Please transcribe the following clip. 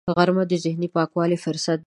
غرمه د ذهني پاکوالي فرصت دی